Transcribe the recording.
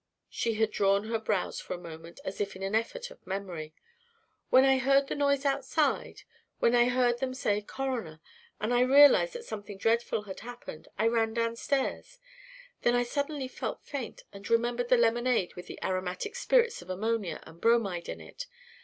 She had drawn her brows for a moment as if in an effort of memory. "When I heard the noise outside when I heard them say 'coroner' and realised that something dreadful had happened, I ran downstairs. Then I suddenly felt faint and remembered the lemonade with the aromatic spirits of ammonia and bromide in it.